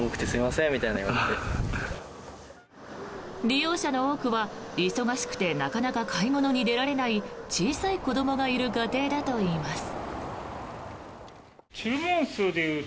利用者の多くは、忙しくてなかなか買い物に出られない小さい子どもがいる家庭だといいます。